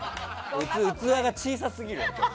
器が小さすぎる。